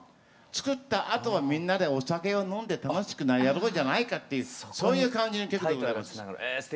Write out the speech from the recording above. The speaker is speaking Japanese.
つくったあとはみんなでお酒を飲んで楽しくやろうじゃないかっていうそういう感じの曲でございます。